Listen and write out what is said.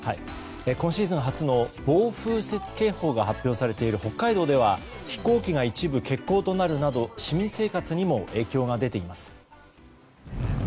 今シーズン初の暴風雪警報が発表されている北海道では飛行機が一部欠航となるなど市民生活にも影響が出ています。